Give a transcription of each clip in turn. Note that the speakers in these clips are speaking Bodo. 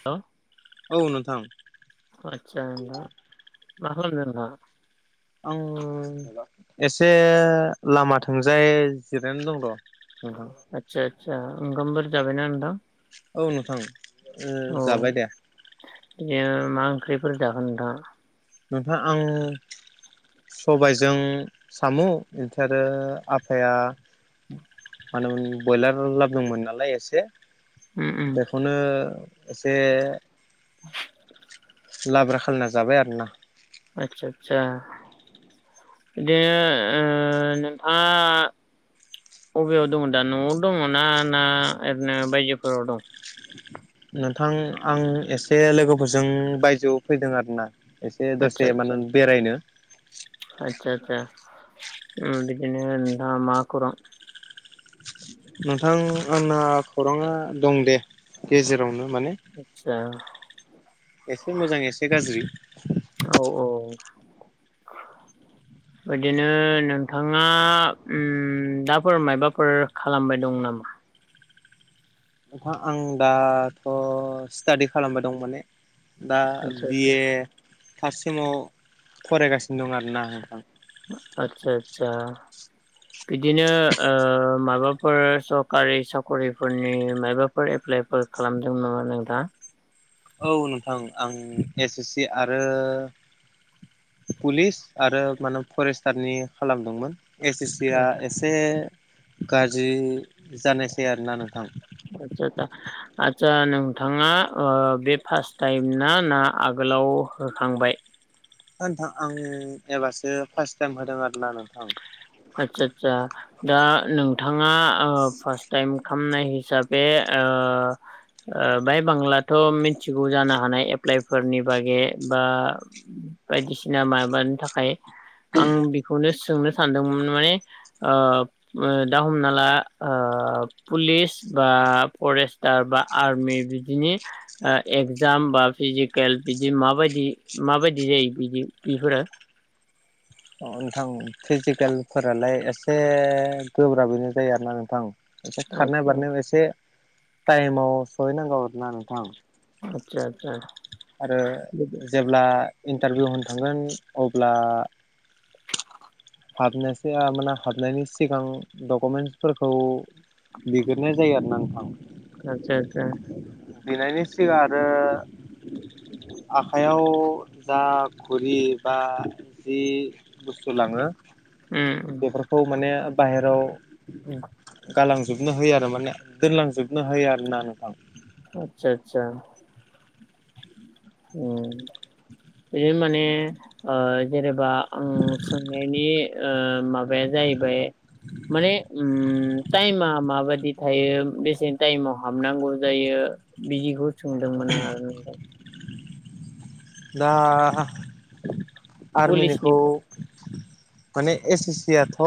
हेल औ नोंथां आछा नोंथां ना [unintelligible] आं एसे लामा थांजाय जिरायनानै दं र' हब [unintelligible] आसा ओंखाम फोर जाबायना होनोंदां औ नोंथां ओ औ जाबाय दे [unintelligible] ओंख्रिफोर जागोन दा ओफ्राय आं सबायजों साम' बिफ्राय आरो आफाया [unintelligible] मानोमोन बयलार लाबोदोंमोन नालाय एसे उम उम बेखौनो एसे लाब्रा खालामना जाबाय आरोना। आतसा आतसा। बिदिनो ओ नोंहा बबेयाव दङ दा न'आव दङ ना ना ओरैनो बायजोफोराव दं नोंथां आं एसे लोगोफोरजों बायजोआव फैदों आरोना। एसे आदसा दसे मान' बेरायनो सा सा उम बिदिनो नोंथां मा खौरां नोंथां आंना खौराङा दं दे गेजेरावनो । आछा। एसे मोजां एसे गाज्रि। औ औ। [unintelligible] बिदिनो नोंथाङा उम दाफोर मायबाफोर खालामबाय दं नामा। ओ आं दाथ' स्टादि खालामबाय दं माने दा आदसा आदसा बि-ए फार्स्टसेमाव फरायगासिनो दं आरोना नोंथां। आतसा आसा। बिदिनो ओ माबाफोर सरकारि साख्रिफोरनि माबाफोर ए एप्लाइफोर खालामदों नामा नोंथाङा। औ नोंथां आं एस एस सि आरो पुलिस आरो मा होनो फरेस्टारनि खालामदोंमोन। एस एस सि आ एसे गाज्रि। जानायसै आरोना नोंथां। आदसा आदसा आदसा नोंथाङा ओ बे फार्स्ट टाइम ना ना आगोलाव होखांबाय। नोंथां आं एबारसो फार्स्ट टाइम होदों आरोना नोंथां। आदसा आतसा दा नोंथाङा ओ फार्स्ट टाइम होननाय हिसाबै ओ ओ बाय बांलाथ' मिथिगौ जानो हानाय एप्लाइफोरनि बागै बा बायदिसिना माबानि थाखाय आं बेखौनो सोंनो सानदोंमोन। माने ओ दा हमना ला ओ पुलिस बा फरेस्टार बा आर्मि बिदिनि ओ एगजाम बा फिजिकेल बिदि माबायदि माबायदि जायो बिदि बेफोरो [unintelligible] नोंथां फिजिकेलफोरालाय एसे गोब्राबैनो जायो आरोना नोंथां। एसे खारनाय आतसा बारनायाव एसे टाइमाव सहैनांगौ आरोना नोंथां। आतसा आतसा। आरो बिदि जेब्ला इन्टारभिउ होनो थांगोन अब्ला हाबनायसै माने हाबनायनि सिगां डकुमेन्टसफोरखौ बिगोरनाय जायो आरोना आतसा आतसा नोंथां। बिनायनि सिगां आरो आखाइयाव जा खुरि बा जि बुस्थु लाङो उम उम बेफोरखौ माने बाहेराव गालांजोबनो होयो आरो माने दोनलांजोबनो होयो आरो ना आतसासा ए। बि माने ओ जेनेबा ओ सोंनायनि ओ माबाया जा जाहैबाय माने उम टाइमा माबादि थायो बेसेन टाइमाव हाबनांगौ जायो? बिदिखौ सोंदोंमोन आं आरो [unintelligible] दा आर्मिनिखौ पुलिसनिखौ माने एस एस सि आथ'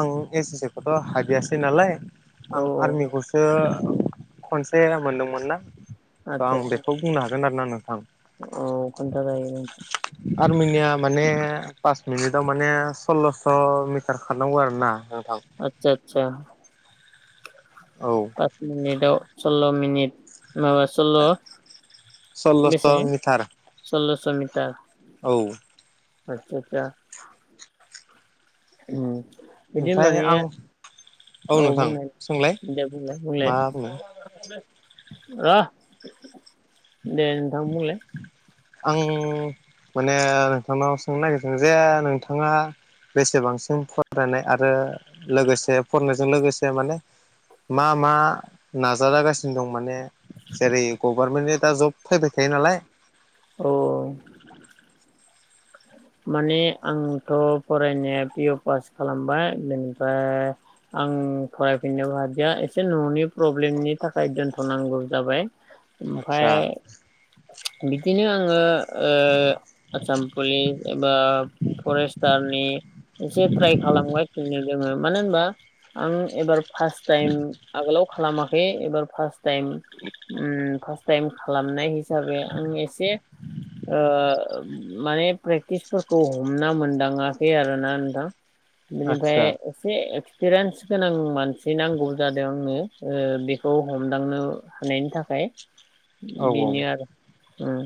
आं एस एस सि खौथ' हाबियासै नालाय। औ आं आर्मिखौसो खनसे मोनदोंमोन ना आं आदसा आदसा बेखौ बुंनो हागोन आरो ना नोंथां। औ खोनथा जायो नोंथां। आर्मिनिया माने पास मिनिटाव माने सल्ल'स' मिटार खारनांगौ आरो ना। आतसा आतसा। औ पास मिनिटआव सल्ल' मनिट माबा सल्ल' सल्ल'स' बेसे मिटार सल्लस' मिटार। औ आतसा आतसा उम बिदि ओमफ्राय माने आं औ नोंथां बुंलाय सोंलाय दे बुंलाय बुंलाय। मा बुंनो र' दे नोंथां बुंलाय आं माने नोंथांनाव सोंनो नागिरदों जे नोंथाङा बेसेबांसिम फरायनाय आरो लोगोसे फरायनायजों लोगोसे माने मा मा नाजालागासिनो दं माने जेरै गभर्नमेन्टनि दा जब फैबाय थायो नालाय। औ [inaudible] माने आंथ' फरायनाया पि अ पास खालामबाय बेनिफ्राय आं फरायफिननोबो हादिया एसे न'नि प्रब्लेमनि थाखाय दोनथ'नांगौ जाबाय। ओमफाय आदसा बिदिनो आङो ओ आतसा बेंक एबा फरेस्टारनि जब ट्राइ खालामबाय [unintelligible] उम मानो होमबा आं एबार फार्स्ट टाइम आगोलाव खालामाखै एबार फार्स्ट टाइम ओम फास्त टाइम खालामनाय हिसाबै आं एसे ओ माने प्रेक्टिसफोरखौ हमना मोनदाङाखै आरो ना नोंथां। बिनिफ्राय आदसा एसे एक्स पेरेन्स गोनां मानसि नांगौ जादों आंनो ओ बेखौ हमदांनो हानायनि थाखाय। औ औ बेनो आरो। ओम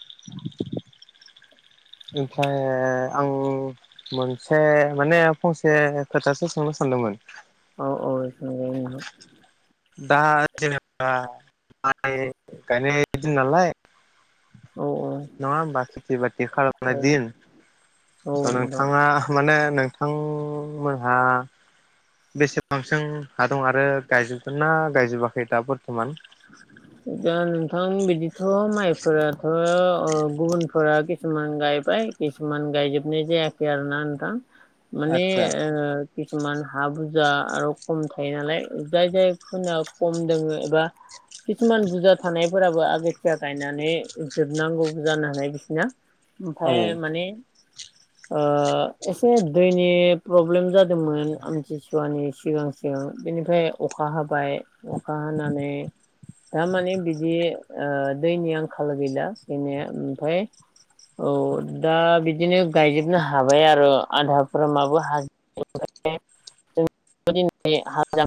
[inaudible] ओमफ्राय आं मोनसे माने फंसे खोथासो सोंनो सानदों मोन। औ औ सोंजागोन नोंथां। दा जेनेबा माइ गायनाय दिन नालाय औ औ नङा होमबा खिथि बा थि खालामनाय औ दिन औ नोंथां नोंथाङा माने नोंथांमोनहा बेसेबांसिम हा दं आरो गायजोबगोन ना गायजोबाखै दा बर्थमान? दा नोंथां बिदिथ' माइफोराथ' ओ गुबुनफोरा किसुमान गाय बाय किसुमान गायजोबनाय जायाखै आरोना नोथां। माने आदसा ओ कि सुमान हा बुरजा आरो खम थायो नालाय जाय जायफोरना खम दों एबा किसुमान बुरजा थानायफोराबो आगोथिया गायनानै जोबनांगौबो जानो हानाय बिसिना । औ औ ओमफ्राय माने [inaudible] ओ एसे दैनि प्रब्लेम जादोंमोन आमथिसुवानि सिगां सिगां। बेनिफ्राय अखा हाबाय अखा हानानै थारमाने बिदि ओ दैनि आंखाल गैला गैनाया ओमफाय औ। दा बिदिनो गायजोबनो हाबाय आरो आधाफोर माबो हाज [unintelligible] [unintelligible] बिदिनो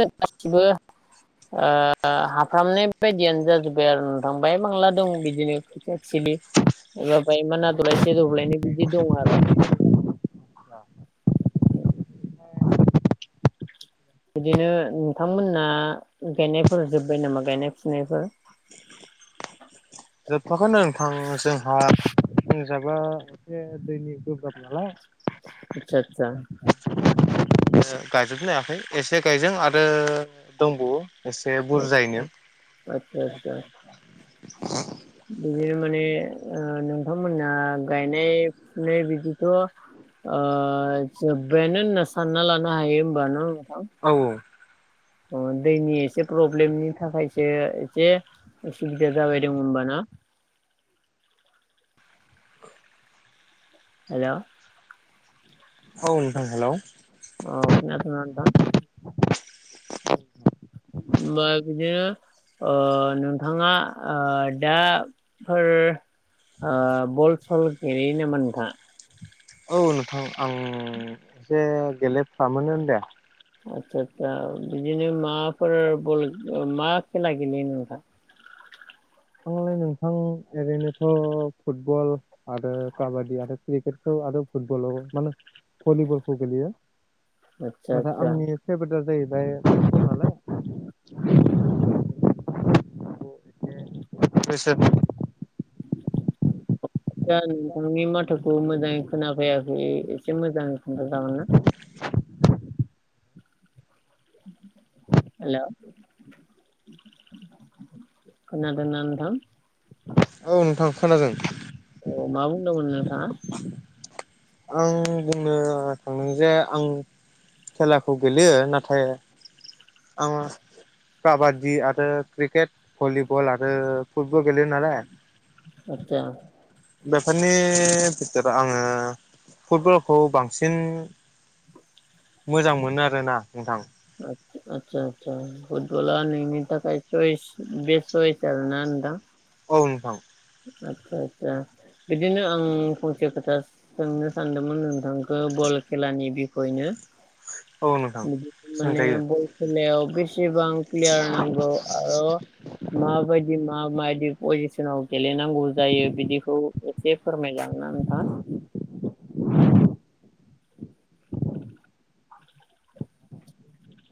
गासिबो [inaudible] ओ हाफ्रामनाय बायदियानो जाजोब्बाय आरो नोंथांबाय मांला दं बिदिनो खैथिया खिलि। एबाब [unintelligible] दल्बाइसे दल्बाइनौ बिदि दं आरो आ [unintelligible] बिदिनो नोंथांमोना गायनायफोर जोब्बाय नामा गायनाय फुनायफोरा? [inaudible] जोबथ'आखैनो नोंथां जोंहा लोंजाबा एसे दैनि गोब्राब नालाय। आतसा आतसा। गायजोब लायाखै एसे गायदों आरो दंबावो। एसे बुरजायैनो। दे। बिदिनो माने नोंथांमोना गायनाय फुनाय बिदिथ' आ जोबायानो होनना नसानना लानो हायो बानो। औ औ। अ दैनि एसे प्रब्लेमनि थाखायसो एसे उसुबिदा जाबाय दं होनब ना। [inaudible] हेल'। औ नोंथां हेल'। ओ खोनादोंना नोंथां [inaudible] बाय गज [unintelligible] ओ नोंथाङा आ दाफोर आ बल सल गेलेयो नामा नोंथाङा औ नोंथां आं एसे गेलेफ्रामो दे। आस्सा आस्सा बिदिनो माफोर बल मा खेला गेलेयो नोंथा? आंलाय नोंथां ओरैनोथ' फुटबल आरो काबादि आरो क्रिकेटखौ। आरो फुटबल माने भलिबलखौ गेलयो। आतसा नाथाय आतसा आंनि फेभरेटआ जाहैबाय नालाय बेस [unintelligible] नोंथांनि माथोखौ मोजाङै खोनाफैाखै एसे मोजां [unintelligible] हेल'। खोनादों ना नोंथां? औ नोंथां खोनादों। औ मा बुंदोंमोन नोंथाङा? आं बुंनो थांदों जे आं खेलाखौ गेलेयो नाथाय आङो काबादि आरो क्रिकेट भलिबल आरो फुटबल गेलेयो नालाय आतसा बेफोरनि बिथोराव आङो फुटबलखौ बांसिन मोजां मोनो आरोना नोंथां आतसा आसा फुटबला नोंनि थाखाय चयस बेस चयस आरो ना नोंथां औ नोंथां आदसा आतसा बिदिनो आं फंसे खोथा सोंनो सानदोंमोन नोंथांखौ बल खेलानि बिखयनो औ नों [unintelligible] माने बर खेलायाव बेसेबां प्लेयार नांगौ आरो मा बायदि मा मायदि पजिसनाव गेलेनांगौ जायो बिदिखौ एसे फोरमायलां ना नोंथाङा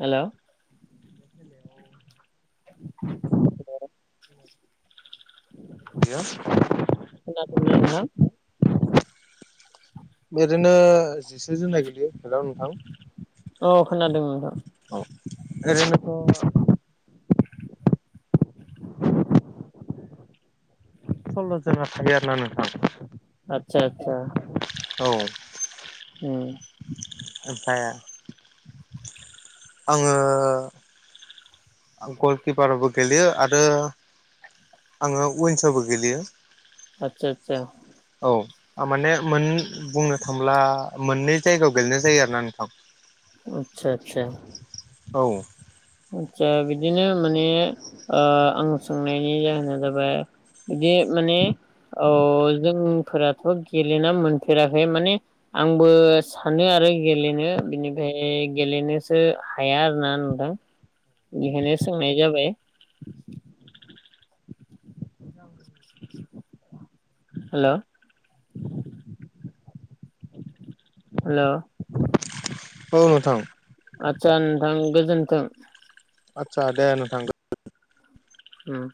हेलौ [unintelligible] [unintelligible] [unintelligible] ओरैनो जिसे जोन ना गेलेयो हेल' नोंथां औ खोनादों नोंथां औ ओरैनोथ' सल्ल'जोना थायो आरो ना नोंथां आतसा आतसा औ उम ओमफाय आङो आं गलकिपारबो गेलेयो आरो आङो उइनसावबो गेलेयो आतसा आतसा आ माने मोन बुंनो थांब्ला मोननै जायगायाव गेलेनाय जायो आरो ना नोंथां आतसा आतसा औ आतसा बिदिनो माने ओ आं सोंनायनि जाहोना जाबाय दि माने औ जोंफोराथ' गेलेना मोनफेराखै माने आंबो सानो [unintelligible] गेलेनो बिनिफाय गेलेनोसो हाया आरोना नोंथां बेखायनो सोंनाय जाबाय हेल' हेल' औ नोंथां आतसा नोंथां गोजोनथों आतसा दे नोंथां [unintelligible] उम